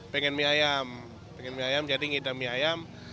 pengen mie ayam pengen mie ayam jadi ngidam mie ayam